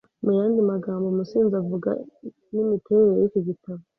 Muyandi magambo umusizi avuga nimiterere yiki gitabo